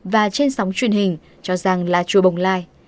và trên sóng truyền hình cho rằng là chùa bồng lai